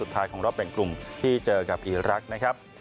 ท้ายของรอบแบ่งกลุ่มที่เจอกับอีรักษ์นะครับ